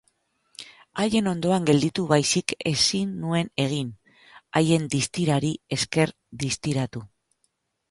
Haien ondoan gelditu baizik ezin nuen egin, haien distirari esker distiratu.